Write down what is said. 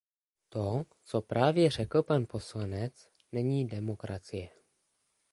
To, co právě řekl pan poslanec, není demokracie.